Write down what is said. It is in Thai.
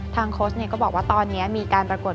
โค้ชก็บอกว่าตอนนี้มีการปรากฏ